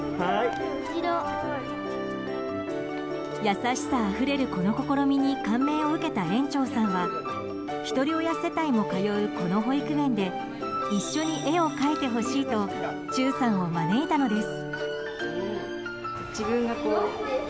優しさあふれる、この試みに感銘を受けた園長さんはひとり親世帯も通うこの保育園で一緒に絵を描いてほしいと忠さんを招いたのです。